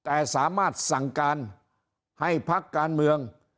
แต่สามารถสั่งการให้พักการเมือง